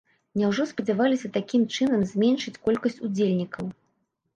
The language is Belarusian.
Няўжо спадзяваліся такім чынам зменшыць колькасць удзельнікаў?